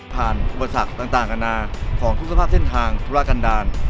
อุปสรรคต่างอาณาของทุกสภาพเส้นทางธุรกันดาล